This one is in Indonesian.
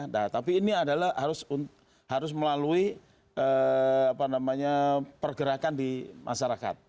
nah tapi ini adalah harus melalui pergerakan di masyarakat